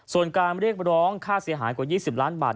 ส่วนการเรียกร้องค่าเสียหายกว่า๒๐ล้านบาท